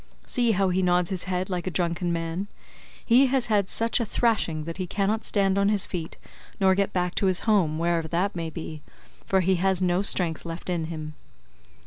See how he nods his head like a drunken man; he has had such a thrashing that he cannot stand on his feet nor get back to his home, wherever that may be, for he has no strength left in him."